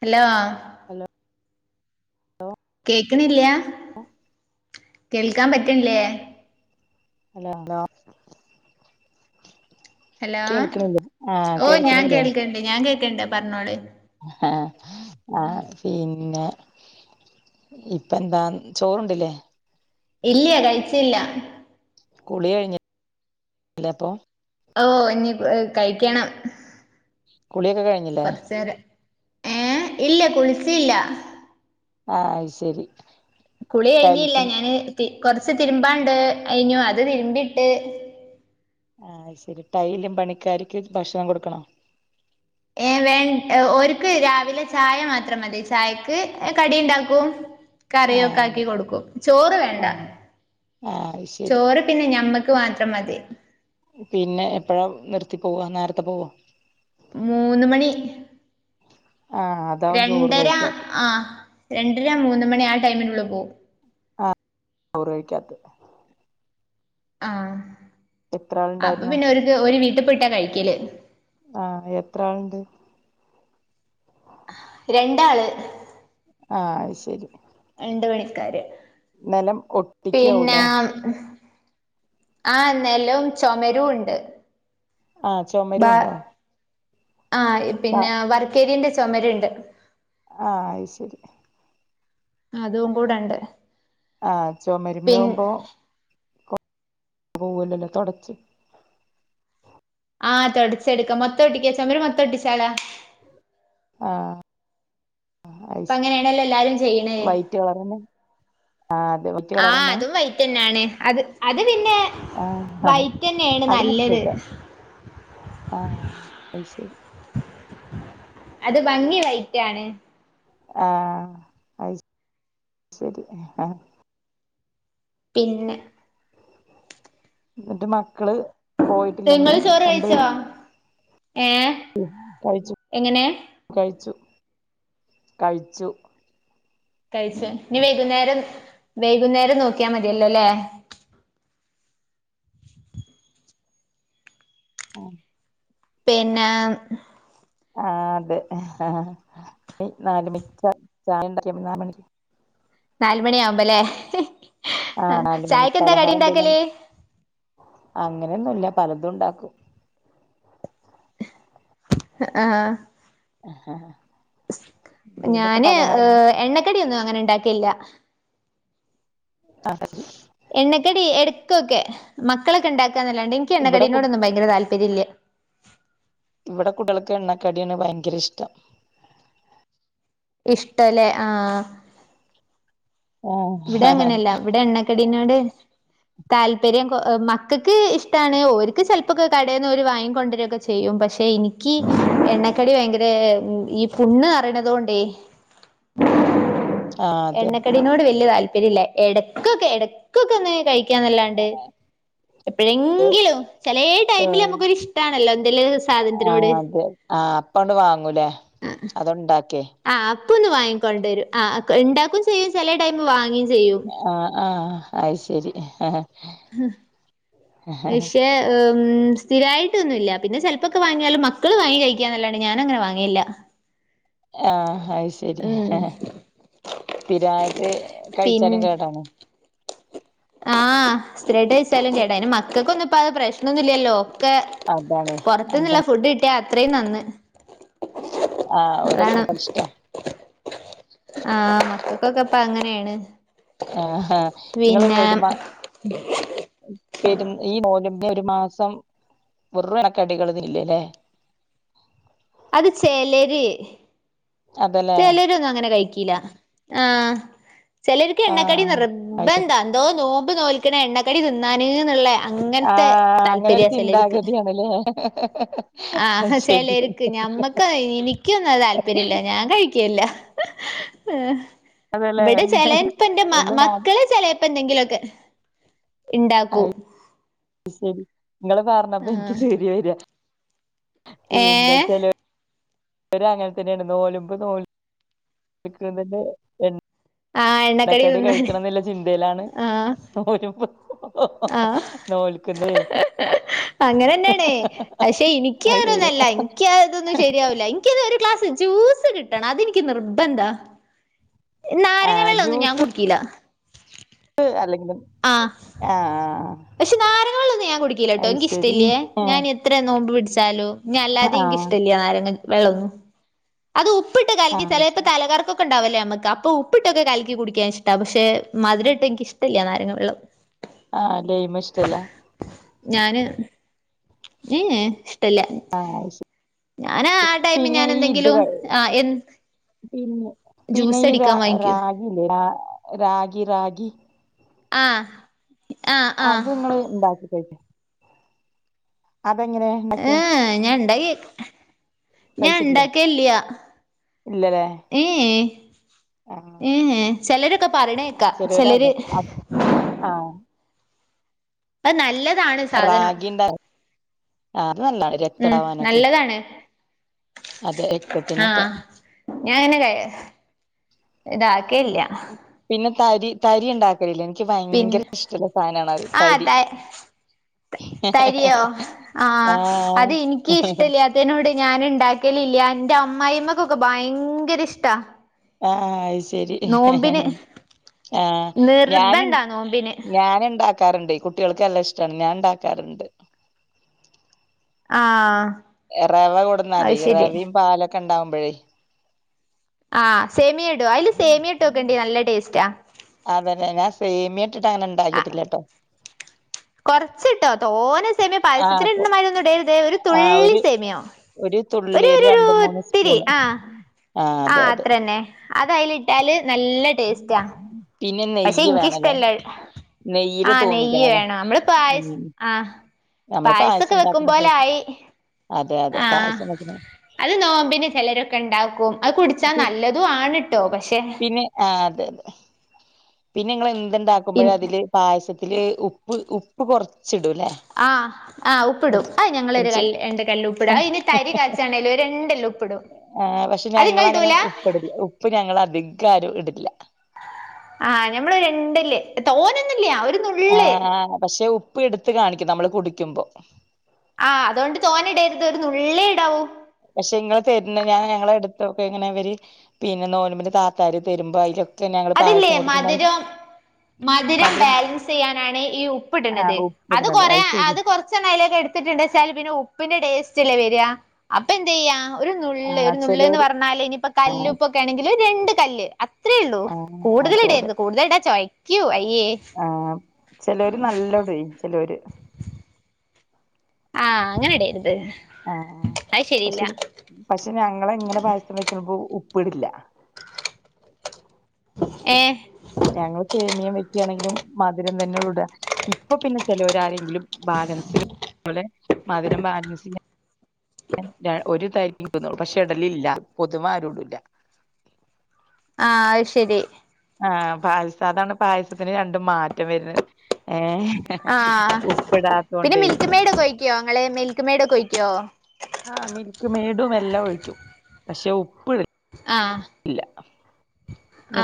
Hello hello കേക്ക്ണില്ല്യാ കേൾക്കാൻ പറ്റില്ലേ? ല്ല്യ ഹലോ ഹലോ കേൾക്കണില്ലേ ആഹ് ഓഹ് ഞാൻ കേൾക്കണില്ലേ കേൾക്ക്ണ്ട് ഞാൻ കേക്ക്ണ്ട് പറഞ്ഞോളിൻ ങ്‌ഹ് ആഹ് പിന്നെ ഇപ്പ എന്താ ചോറുണ്ടില്ലേ? ഇല്ല്യ കഴിച്ചില്ല കുളി കഴിഞ്ഞ് ലേ അപ്പോ ഓഹ് ഇഞ്ഞി ഏഹ് കഴിക്കണം കുളിയൊക്കേ കൊറച്ചേരെ ഏഹ് ഇല്ല കുളിച്ചില്ല ആഹ് അയ്ശരി കുളി കഴിഞ്ഞില്ല ഞാന് ത് കൊറച്ച് തിരുമ്പാണ്ട് കയിഞ്ഞു അത് തിരുമ്പിട്ട് ആഹ് അത് ശരി ടൈലും പണിക്കാര്ക്ക് ഭക്ഷണം കൊടുക്കണോ? ഏ വേൺ ഓരുക്ക് രാവിലെ ചായ മാത്രം മതി. ചായക്ക് കടിണ്ടാക്കും. കറിയൊക്കെ ആഹ് ആക്കി കൊടുക്കും ചോറ് വേണ്ട. ആഹ് ആഹ് അത് ശരി ചോറ് പിന്നെ ഞമ്മക്ക് മാത്രം മതി പിന്നെ എപ്പഴാ നിർത്തി പോവാ നേർത്തെ പോവോ? മൂന്ന് മണി. ആഹ് അതാവും ചോറ് രണ്ടര കഴിക്കാത്ത ആഹ് രണ്ടര മൂന്ന് മണി ആ ടൈമിന്റെ ഉള്ള് പോവും ആഹ് ഒറൊഴിക്കാത്ത് ആഹ് എത്ര അപ്പ ആളുണ്ടായിരുന്നു പിന്നെ ഓരുക്ക് ഓരു വീട്ട്പ്പോയിട്ടാ കഴിക്കല് ആഹ് എത്ര ആളുണ്ട്? രണ്ടാള് ആഹ് അയ്ശരി രണ്ടു പണിക്കാര്. പിന്നാ ഒട്ടിക്കാവൂലേ ആഹ് നെലവും ചൊമരുണ്ട് ആഹ് ചൊമരുണ്ടോ? ആഹ് പിന്നെ വർക്കേരിയേന്റെ ചൊമരുണ്ട്. ആഹ് അയ്ശരി അതും കൂടെണ്ട് ആഹ് ചൊമരുമ്മേ പിൻ ആവുമ്പോ [unintelligible] തൊടച്ച് ആഹ് തൊടച്ചെടുക്ക മൊത്തോട്ടിക്കാ ചൊമര് മൊത്തം ഒട്ടിച്ചാലോ? ആഹ് ആഹ് ഇപ്പ അയ്ശ അങ്ങനെയാണല്ലോ എല്ലാരും ചെയ്യണേ വൈറ്റാ പറയണ്‌ ആഹ് അതെ വൈറ്റ് കളറന്നേ തന്നെയാണ് അത് അത് പിന്നെ ആഹ് വൈറ്റ് തന്നെ ആണ് അതിന് നല്ലത് സുഖാ ആഹ് അത് ശരി അത് ഭംഗിയുള്ള ആയിറ്റാണ് ആഹ് അ ശരി ആഹ് പിന്നെ എന്നിട്ട് മക്കള് പോയിട്ടില്ലെന്ന് നിങ്ങള് ചോറ് കഴിച്ചോ രണ്ടുപേരും ഏഹ് കഴിച്ചു എങ്ങനെ കഴിച്ചു കഴിച്ചു കഴിച്ച ഇനി വൈകുന്നേരം വൈകുന്നേരം നോക്കിയാ മതിയല്ലോല്ലേ ആഹ് പിന്നെ ആഹ് അതെ ആഹ് നല് മ ചായണ്ടക്കിയ നാല് മണിക്ക് നാല് മണിയവുമ്പല്ലേ ആഹ് നാല് മണി ചായക്ക്ന്താ കടി ഉണ്ടാക്കല് അങ്ങനെയൊന്നു ഇല്ല പലതും ഉണ്ടാക്കും ആഹ് ആഹ് ഞാന് ഏ എണ്ണക്കടൊന്നും അങ്ങനെ ഉണ്ടാക്കിയില്ല [inaudible] എണ്ണക്കടി എടക്കൊക്കെ മക്കളൊക്കെ ഉണ്ടാക്കുക എന്നല്ലാണ്ട് എനിക്ക് ഇവിടെ കു എണ്ണക്കടീനോട്ന്നും ഭയര താല്പര്യമില്ലേ ഇവിടെ കുട്ടികൾക്ക് എണ്ണക്കാടിയാണ് ഭയങ്കര ഇഷ്ടം ഇഷ്ട്ടല്ലേ ആഹ് ഇവിടെ ആഹ് അങ്ങനെയല്ല ഇവിടെ എണ്ണക്കടീനോട് താല്പര്യം കോ മക്കൾക്ക് ഇഷ്ടമാണ് ഓർക്ക് ചിലപ്പക്കെ കടയിന്ന് ഓര് വാങ്ങിക്കൊണ്ടുവര ഒക്കെ ചെയ് ചെയ്യും പക്ഷെ എനിക്ക് എണ്ണക്കടി ഭയങ്കര ഈ പുണ് അറയണത കൊണ്ടേ ആ അതെ എണ്ണക്കടിനോട് വലിയ താല്പര്യല്ല ഇടയ്ക്കൊക്കെ ഇടയ്ക്കൊക്കെ ഒന്ന് കഴി ക്കന്നല്ലാണ്ട് അതെ എപ്പോഴെങ്കിലും ചിലേ ടൈമില് നമുക്കൊ ഇഷ്ടമാണല്ലോ എന്തെലും സാധനത്തിനോട് ആഹ് അപ്പണ്ട് വാങ്ങൂലേ അത്ണ്ടാക്കേ ആഹ് അപ്പൊ ഒന്ന് വാങ്ങിക്കൊണ്ടു വരും ആഹ് ഉണ്ടാക്കും ചെയ് ചില ടൈം വാങ്ങുകയും ചെയ്യും ആഹ് ആഹ് അയിശരി ആഹ് പക്ഷെ സ്ഥിരായിട്ടൊന്നുമില്ല പിന്നെ ചേല ഇപ്പൊക്കെ വാങ്ങിയാലും മക്കള് വാങ്ങി കഴിക്കാൻല്ലാണ്ട് ഞാൻ അങ്ങനെ വാങ്ങിയില്ല ആഹ് അത് ശരി സ്ഥിരമായിട്ട് പിൻ കഴിച്ചാലും കേടാണ് ആഹ് സ്ഥിരമായിട്ട് വിച്ചാലും കേട അന് മക്കൾക് ഒന്ന ഇപ്പ അ പ്രശ്നമൊന്നുമല്ലല്ലോ ഒക്കെ അതാണ് പുറത്തുന്നുള്ള അതാണ് ഫുഡ് കിട്ടിയാൽ അത്രയും നന്ന് ആഹ് ഓരോ അതാണ് [inaudible] ഇഷ്ട്ട ആഹ് മക്കൾക്കൊക്കെപ്പ അങ്ങനെയാണ് ആഹ് ആഹ് നിങ്ങള് ഒരുമ വരും ഈ മോന് ഒരു മാസം വെറുളക്കെ അടികൾ ഇല്ല അല്ലേ [inaudible] അത് ചെലര് അതല്ലേ ചെലര ഒന്നും അങ്ങനെ കഴിക്കില ആഹ് ചിലർക്ക് എണ്ണക്കടി ആഹ് അത് ശരി നിർബന്താ എന്തോ നോമ്പ് നോൽക്കണ എണ്ണക്കടി തിന്നാനന്നുള്ളേ അങ്ങനെ ത്തെ താല്പര്യ ചിലർക്ക് തല്ലേ ആഹ് ചെലർക്ക് ഞമ്മക്ക് എനിക്കൊന്നും അത് താല്പര്യം ഇല്ല ഞാൻ കഴി കില്ല അതെല്ലേ ഇവടെ ചെലപ്പോ ഇന്റെ മ എന്നാ മക്കൾ ചെലപ്പോ പ്പ എന്തെങ്കിലുമൊക്കെ ഇണ്ടാക്കൂ ആഹ് ശരി ഇങ്ങെൾ പർണപ്പം ഇൻക്ക് ആഹ് ചിരി വെരാ പിന്നെ ഏഹ് ചെലോ ഇവെരും അങ്ങെൻ തെന്നെയാണ് നോൽമ്പ് നോൽപ്പിക്കുന്നെത് ആഹ് എണ്ണക്കടി തിന്നാന് എന്നുള്ള ചിന്തയിലാണ് ആഹ് നോൽമ്പ് നോൽ നോൽക്കുന്നെ അങ്ങനെന്നെ ആണെയ് പക്ഷെ ഇൻക്ക് അത് അങ്ങനൊന്നും ശരിയാ അല്ല ഇൻക്കാതൊന്നും ശരിയാവുലാ ഇക്ക് ഇത് ഒര് ഗ്ലാസ് ജ്യൂസ് കിട്ടെണം അത് ഇന്ക്ക് നിർബെന്ധാ നാരങ്ങ ആഹ് വെള്ളൊന്നും ഞാൻ കുട്കീലാ ട്ട് അല്ലെങ്കിലും ആഹ് ആഹ് ആഹ് പക്ഷെ നാരങ്ങ വെളെളാന്നും ഞാൻ കുടിക്കില്ല ട്ടോ അത് ഇൽക്ക് ഇഷ്ട ശരി ഇല്ലെ ഞാൻ ആഹ് ഇനി എത്ര നോമ്പ് പിട്ച്ചാലും. ഇഞ്ഞ് അല്ലാതിം ഇൻക്ക് ആഹ് ഇഷ്ട ഇല്ല നാരങ്ങ വെള്ളൊന്നും അത് ഉപ്പ്ട്ട് കൽക്കി അത് ചേലെപ്പം ശരി തലകറക്കം ഒക്കെ ഒക്കെ ഇണ്ടാവൂലെ ഞമ്മെക്ക് അപ്പ ഉപ്പ് ഇട്ട് ഒക്കെ കൽക്കി കുടിക്ക്യാൻ ഇഷ്ടാ പക്ഷെ മധുരം ഇട്ടെയ് ഇൻക്ക് ഇഷ്ട ഇല്ല നാരങ്ങ വെള്ളം ആഹ് ലൈം ഇഷ്ട ഇല്ലാ ഞാന് ഏഹ് എഹ് ഞാനാ ടൈമി പിന്നെ ഈ ഇത് ഞാനെന്തെങ്കിലും ക- ആ എ പിന്നെ പിന്നെ ജ്യൂസ് ഈ രാ അടിക്കാൻ വാങ്ങിക്കും റാഗി ഇല്ലെ റാ റാഗി റാഗി ആഹ് ആഹ് ആഹ് അത് ഇങ്ങെൾ ഇണ്ടാക്കി കഴിക്കോ? അത് എങ്ങനെ? ഏഹ് ഏഹ് ഞാൻ ഇണ്ടാക്കി കഴി ഞാ കഴിച്ചിട്ടില്ലേ ഇണ്ടാകെൽ ഇല്ല്യാ ഇല്ലല്ലേ ഏഹ് എഹ് ആഹ് ഏഹ് ഏഹ് ചെലെര് ഒക്കെ പറിണെക്കാ ചെലോര് അത് ചെലെര് ആഹ് അഹ് നല്ല റാഗി ഇണ്ടാക്കാ ആഹ് അത് നല്ലാണ് രക്തം ഉം ഇണ്ടാവനൊക്കെ നല്ലതാണ് അതെ രക്തത്തിനൊക്കെ ഞാ അങ്ങനെ ഇത് ഇതാക്കെ ഇല്ലാ പിന്നെ തരി തരി ഇണ്ടാക്കെൽ ഇല്ലെ ഇൻക്ക് പിന്നെ ഭയങ്കര ഇഷ്ടള്ള സാനാണ് അഹ് ആഹ് തരി ത തരിയോ? ആഹ് അത് ഇൻക്ക് ഇഷ്ടല്ല്യാ ത്തെയ്നോട് ഞാൻ ഇണ്ടാക്കെൽ ഇല്ല്യാ ഇന്റെ അമ്മായി അമ്മക്കൊക്കെ ഭയങ്കര ഇഷ്ടാ ഏഹ് അഹ് ശെ ശരി നോമ്പിന് ആഹ് ഞാൻ ഇൺ നിർബന്ധാ നോമ്പിന് ഞാൻ ഇണ്ടാക്കെ ക്കാർ ഇണ്ട് കുട്ടിയാൾക്ക് നല്ല ഇഷ്ടാണ് ഞാ ഇണ്ടാക്കാറ് ഇണ്ട് ആഹ് റെവ അത് കൊട്ന്നാലെയ് ശരി റെവിം പാലൊക്കെ ഇണ്ടാവുമ്പഴെ ആഹ് സെമിയം ഇടോ അയ്ൽ സെമിയം ഇട്ടോക്കെണ്ടി നല്ല ടേസ്റ്റാ അതെലെ ഞാ സെമിയം ഇട്ട്ട്ട് അങ്ങനെ ഇണ്ടാക്കീട്ട് ഇല്ലട്ടോ കൊർച്ച് ഇട്ടോ തോനെ സെമിയെ ആഹ് പായസത്തിന് കൊ ഇട്ണ മായിരി ഒന്നും ഇടെര്ത് ഒര് തുള്ളി സെമിയോ ഒര് തുള്ളി ഒര് രണ്ട് മൂന്ന് സ്പൂണ് ആഹ് ആഹ് അതെ അതെ അത് അയിൽ ഇട്ടാല് നല്ല ടേസ്റ്റാ പിന്നെ പക്ഷെ നെയ്യ് ഇന്ക് ഇഷ്ട വേണല്ലേ ഇല്ല അഹ് നെയ്യില് ആഹ് നെയ്യ് തൂമിക്കണല്ലേ വേണം അമ്മെൾ ഉം പായസ് ആഹ് നമ്മള് പായസം പായസൊക്കെ വെക്കും ഉണ്ടാക്കണ പോലെ ആയി അതെ അതെ ആഹ് പായസം വെക്കണ അത് നോമ്പിന് ചിലരൊക്കെ ഇണ്ടാക്കും അത് കുടിച്ചാ പി നല്ലതും ആണ്‌ട്ടോ പഷെ പിന്നെ ആഹ് അതെ അതെ പിന്നെ ഇങ്ങെൾ എന്ത് ഇണ്ടാക്കുമ്പെഴും അതിൽ പായസത്തിൽ ഉപ്പ് ഉപ്പ് കൊർച്ച് ഇടും ലെ ആഹ് ആഹ് ഉപ്പ്ടും ആ ഞങ്ങളൊരു കല്ല് രണ്ട് കല്ല് ഉപ്പിടും അ ഇനി തരി കാച്ചാണെലും രണ്ട് കല്ലുപ്പ്ടും ആ പക്ഷെ ഞങ്ങളങ്ങനെ ഉപ്പ് ഇടില്ല ഉപ്പ് ഞങ്ങ അധികാരും ഇടില്ല ആഹ് ഞമ്മള് രണ്ടല്ലേ തോന്നന്നില്ല്യ ഒരു നുള്ള് ആഹ്ആ ഹ്പക്ഷെ ഉപ്പ് എടുത്ത് കാണിക്കും നമ്മള് കുടിക്കുമ്പോ ആഹ് അതുകൊണ്ട് തോനെ ഇടരുത് ഒരു നുള്ളേ ഇടാവു പക്ഷെ ഇങ്ങള് തരുന്നെ ഞാൻ ഞങ്ങളെടുത്തൊക്കെ ഇങ്ങനിവര് പിന്നെ നോൽമ്പല് താത്താര് തരുമ്പോ അയിലൊ ക്കെ ഞങ്ങള് അതില്ലേ പായസം കൊടുക്കുമ്പ മധുരം മധുരം ബാലൻസ് ചെയ്യാനാണ് ഈ ഉപ്പിടണത് ആഹ് അത് ഉപ്പിടണത് കൊറ ശരി അത് കുറ [unintelligible] എടുത്തിട്ടുണ്ട വെച്ചാല് പിന്നെ ഉപ്പിന്റെ ടേസ്റ്റ്ല്ലേ വരിക അപ്പൊ എന്ത് ചെയ്യാ ഒരു നള്ള് ആഹ് ഒരു നള്ള് എന്ന് ചെലോര് പറഞ്ഞാല് ഇനിപ്പോ കല്ലുപ്പൊക്കെ ആണെങ്കില് രണ്ട് കല്ല് അത്രയേ ഉള്ളു ആഹ് കൂടുതൽ അതെ അതെ ഇടരുത് കൂടുതൽ ഇടാ ചോയ്ക്കൂ അയ്യേ ല്ലോം ഇടൊയ് ചെലോര് ആഹ് അങ്ങനെ ഇടെര്ത് ആഹ് അയ് ശെരി ഇല്ല പക്ഷെ പക്ഷെ ഞങ്ങള ഇങ്ങനെ പായസം വെക്കുമ്പോ ഉപ്പിടില്ല ഏഹ് ഞങ്ങള്ൾ സേമിയം വെക്കയാണെങ്കിലും മധുരം തന്നെ ഉള്ളുഇട ഇപ്പൊ പിന്നെ ചിലവരരെങ്കിലും ബാലൻസ് പോലെ മധുരം ബാലൻസ് ഒരുതരി ഇടുംപക്ഷെ ഇടലില്ല പൊതുവ ആരും ഇടില്ല ആഹ്അയ് ശരി ആഹ് പായസ അതാണ് പായസത്തിന് രണ്ടും മാറ്റം വരുന്നത് ഏഹ് ആ ഹ്പിന്നെ ഉപ്പിടാത്തോണ്ടേ മിൽക്ക് മെയഡൊക്കെ ഒഴിക്കോ ങ്ങള് മിൽക്ക് മെയഡെക്കെ ഒഴിക്കോ ആഹ് മിൽക്ക് മേടും എല്ലാം ഒഴിക്കും പക്ഷെ ഉപ്പ്ടു ആഹ് ഇല്ല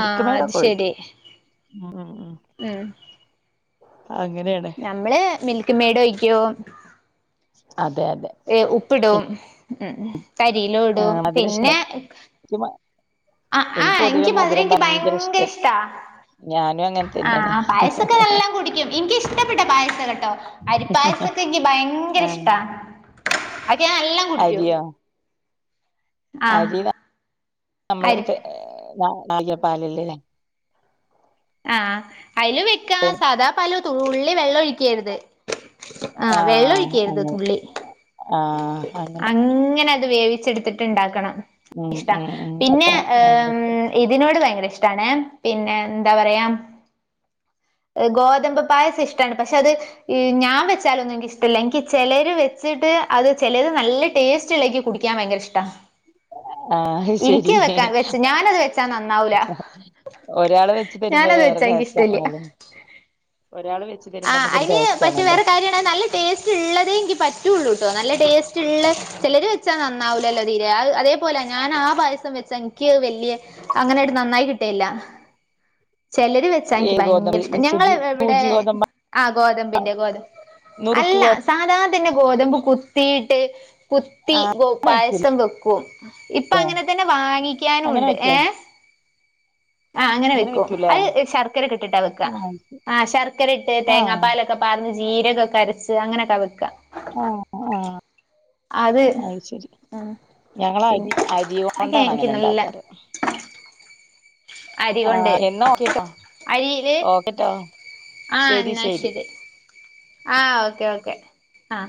ആഹ് അത് ശരി ഒഴിക്കും ഉം ഉം ഉം അങ്ങനെണ് നമ്മള് മിൽക്ക് മെയഡ് ഒഴിക്കും അതെ അതെ എ ഉപ്പിടും ഉം തരിലും ഇടു പിന്നെ ഇമ ആ ആഹ് എനിക്ക് മധുരം എനിക്ക് ഭയങ്കര ഇഷ്ട ഇഷ്ടാ ഞാനും അ ആഹ് പായസൊക്കെ നല്ലം കുടിക്കും നിക്കിഷ്ടപ്പെട്ട പായസകട്ടോ അരിപ്പായ സക്കെ എനിക്ക് ഭയങ്കര ആഹ് ഇഷ്ടാ അതക്കെ നല്ല അരിയോ ആ അരി ലനമ്മള് അരി ന [unintelligible] ആഹ്അതില് വെക്ക [inaudible] അതാ പാലും തുള്ളി വെള്ളെഴിക്കരുത് ആഹ് വെള്ളെഴിക്കരുത് തുള്ളി ആഹ്‌ഹ അങ്ങനെ ഇങ്ങനെ അത് വേവിച്ചെടുത്തിട്ട് ണ്ടാക്കണം ഉം ഇഷ്ട ഉം ഉം പിന്നെ അപ്പ നല്ല ഏം ഇതിനോട് ഭയങ്കര ഇഷ്ടാണ് പിന്നെ എന്താ പറയാ ഗോതമ്പ് പായസം ഇഷ്ടാണ് പക്ഷെ അത് ഞാ വെച്ചാലൊന്നും ൻക്ക് ഇഷ്ടല്ല നിക്ക് ചെലര് വെ വെച്ചിട്ട് അത് ചെലത് നല്ല ടേസ്റ്റ് ഇണ്ടെങ്കിൽ കുടിക്കാൻ ഭയങ്കര ഇഷ്ട ആഹ് എനിക്കത് ശരി വെക്കാ വെച്ചു ഞാനത് വെച്ചാ നന്നാവൂല ഒരാള് വെച്ച് തരുമ്പോ ഞാനത് വേറെ വെച്ചാ എനിക്കിഷ്ടല്ല. രസ്സാണല്ലോ ഒരാള് വെച്ച്തരുമ്പോ ആഹ് നമുക്കൊരു അയിന് ടേസ്റ്റ് പക്ഷെ ആണല്ലോ വേറെ കാര്യമാണ് നല്ല ടേസ്റ്റ് ഉള്ളതേ ഇൻക്ക് പറ്റുള്ളൂട്ടോ നല്ല ടേസ്റ്റ്ള്ള ചിലർ വെച്ചാൽ നന്നാവില്ലല്ലോ തീരെ അത പോലെ ഞാൻ ആ പായസം വെച്ച എനിക്ക് വല്യ അങ്ങനാട്ട് നന്നായി കിട്ടലല്ല്യ ചിലര് വെച്ചാ ഈ എനിക്ക് ഭയങ്കര ഗോതമ്പ് ഈ ഇഷ്ടം ഞങ്ങള് സുജി ഇവിടെ സൂചി ഗോതമ്പ് ആ ഗോതമ്പിന്റെ ഗോതമ്പ് നൂറ് ഗോതാ സാധാതന്നെ ഗോതമ്പ് കുത്തിയിട്ട് കുത്തി ഗേ വെക്കൂലെ പായസം വെക്കും ഇപ്പൊ അങ്ങനെ തന്നെ അങ്ങനെ വാങ്ങിക്കാനുണ്ട് വെക്കോ ഏഹ ആഹ് അങ്ങനെ വെക്കും അത് ശർക്കര ഇട്ടിട്ടാ വെക്കാ ആഹ് ആഹ് ശർക്കര ഇട്ട് തേങ്ങാ ആഹ് പാലൊക്കെ പറഞ്ഞ് ജീരക്കെ കരച്ച് അങ്ങനെയൊക്കെ വെക്ക ആഹ് ആഹ് അത് ഉം. ഞങ്ങൾ പിന്നെ അരി അരി അതൊക്കെ കൊണ്ടാണ് എനിക്ക് അങ്ങനെ നല്ല ഉണ്ടാക്കാറ്. [inaudible] അരി കൊണ്ട് ആഹ് എന്നാ ഓക്കെട്ടോ അരിയില് ഓക്കെട്ടോ ആഎന്നാ ശരി. ആഓക്കെ ഓക്കെ ആ.